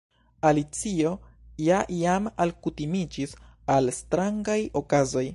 Alicio ja jam alkutimiĝis al strangaj okazoj.